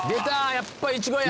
やっぱいちごや！